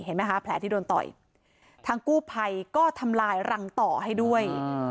เห็นไหมคะแผลที่โดนต่อยทางกู้ภัยก็ทำลายรังต่อให้ด้วย